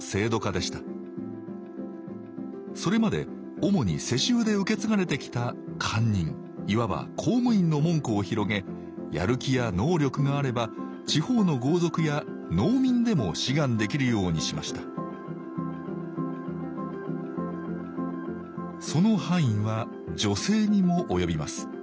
それまで主に世襲で受け継がれてきた官人いわば公務員の門戸を広げやる気や能力があれば地方の豪族や農民でも志願できるようにしましたその範囲は女性にも及びます。